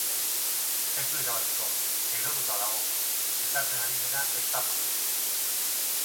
Ez du irabaziko, erotuta dago, esaten ari dena ez da posible.